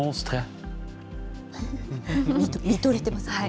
見とれてますね。